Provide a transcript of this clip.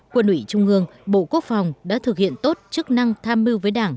quân ủy trung ương bộ quốc phòng đã thực hiện tốt chức năng tham mưu với đảng